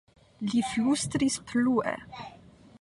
Li flustris plue.